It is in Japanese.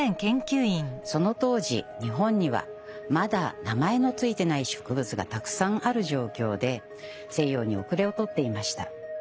その当時日本にはまだ名前の付いてない植物がたくさんある状況で西洋に後れを取っていました。